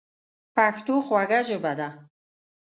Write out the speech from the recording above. پښتو خوږه ژبه ده.